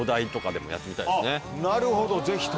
なるほどぜひとも。